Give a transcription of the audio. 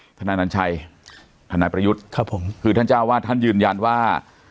นะครับท่านนันชัยท่านนายประยุทธ์ครับผมคือท่านเจ้าว่าท่านยืนยันว่า